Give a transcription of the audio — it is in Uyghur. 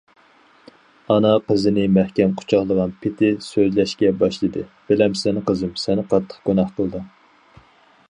ئانا قىزىنى مەھكەم قۇچاقلىغان پېتى سۆزلەشكە باشلىدى:- بىلەمسەن قىزىم، سەن قاتتىق گۇناھ قىلدىڭ.